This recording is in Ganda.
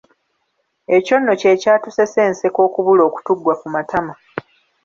Ekyo nno kye kyatusesa enseko okubula okutuggwa ku matama.